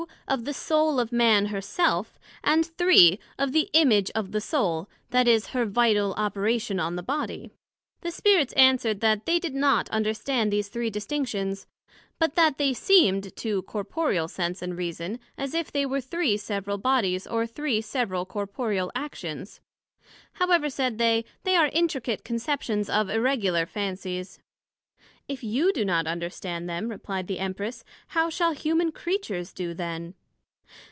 Of the Soul of Man her self: and 3. Of the Image of the Soul, that is, her vital operation on the body? The Spirits answered, That they did not understand these three distinctions, but that they seem'd to corporeal sense and reason, as if they were three several bodies, or three several corporeal actions; however, said they, they are intricate conceptions of irregular Fancies. If you do not understand them, replied the Empress, how shall human Creatures do then?